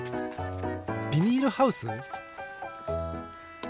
ビニールハウス？